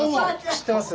知ってます？